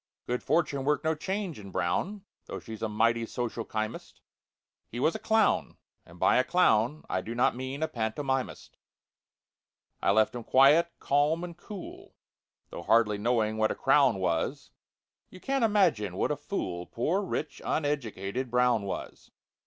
Good fortune worked no change in BROWN, Though she's a mighty social chymist; He was a clown—and by a clown I do not mean a pantomimist. It left him quiet, calm, and cool, Though hardly knowing what a crown was— You can't imagine what a fool Poor rich uneducated BROWN was!